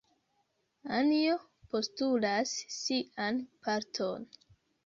Injo postulas sian parton.